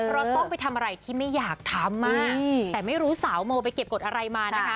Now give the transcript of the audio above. เราต้องไปทำอะไรที่ไม่อยากทำแต่ไม่รู้สาวโมไปเก็บกฎอะไรมานะคะ